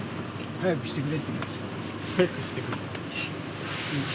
早くしてくれ？